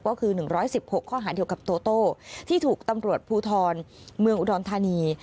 ก็คือ๑๑๖ข้อหาเดียวกับโตโต้ที่ถูกตำรวจภูทรเมืองอุดรธานี